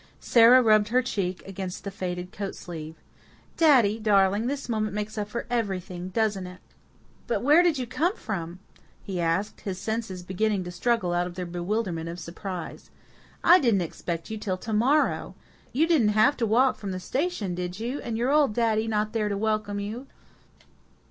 Sara rubbed her cheek against the faded coat sleeve. "Daddy darling, this moment makes up for everything, doesn't it?" "But but where did you come from?" he asked, his senses beginning to struggle out of their bewilderment of surprise. "I didn't expect you till to morrow. You didn't have to walk from the station, did you? And your old daddy not there to welcome you!"